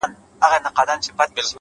پرمختګ د صبر او هڅې ګډه مېوه ده!